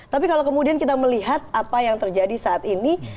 tapi kalau kemudian kita melihat apa yang terjadi saat ini